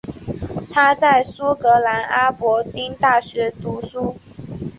他在苏格兰阿伯丁大学读书。